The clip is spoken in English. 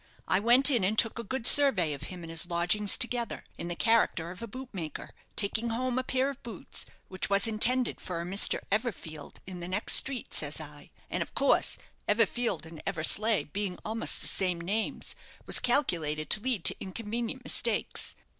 I went in and took a good survey of him and his lodgings together, in the character of a bootmaker, taking home a pair of boots, which was intended for a Mr. Everfield in the next street, says I, and, of course, Everfield and Eversleigh being a'most the same names, was calculated to lead to inconvenient mistakes.